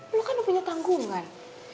lo kan punya tanggungan